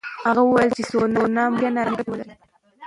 هغه ویلي چې سونا ممکن رواني ګټې ولري.